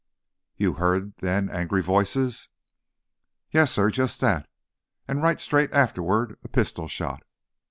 "You heard, then, angry voices?" "Yes, sir, just that. And right straight afterward, a pistol shot."